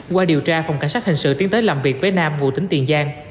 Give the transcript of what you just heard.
qua điều tra phòng cảnh sát hình sự tiến tới làm việc với nam ngụ tính tiền giang